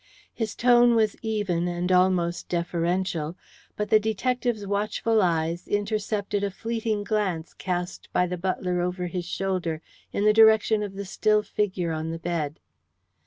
His tone was even and almost deferential, but the detective's watchful eyes intercepted a fleeting glance cast by the butler over his shoulder in the direction of the still figure on the bed.